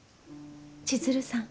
千鶴さん？